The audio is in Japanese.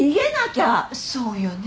そうよね。